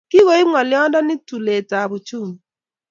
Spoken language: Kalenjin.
Kikoib ngolyondoni luletap uchumi